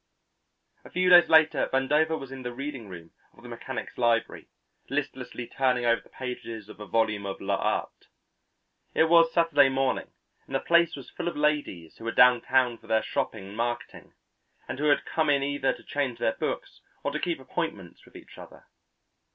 A few days later Vandover was in the reading room of the Mechanics Library, listlessly turning over the pages of a volume of l'Art. It was Saturday morning and the place was full of ladies who were downtown for their shopping and marketing, and who had come in either to change their books or to keep appointments with each other.